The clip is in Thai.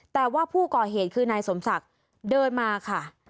แต่ว่าผู้ก่อเหตุคือนายสมศักดิ์เดินมาค่ะ